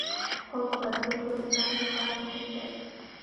خوب د بدن د ټول نظام لپاره مهم دی